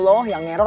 loh gitu kok